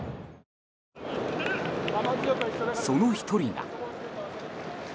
その１人が。